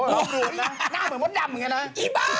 โอ้โหน่าเหมือนมดดำเงี้ยนะ